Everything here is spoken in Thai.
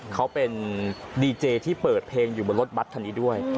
เขาเป็นดีเจที่เปิดเพลงอยู่บนรถบัตรคันนี้ด้วย